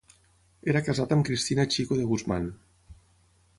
Era casat amb Cristina Chico de Guzmán.